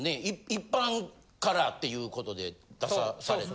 一般からっていうことで出さされて。